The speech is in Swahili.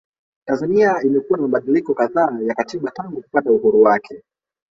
Tanzania imekuwa na mabadiliko kadhaa ya katiba tangu kupata uhuru wake